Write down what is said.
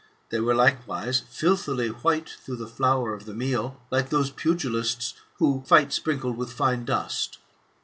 They were likewise filthily white through the flour of the mill, like those pugilists, who fight sprinkled with fine dust.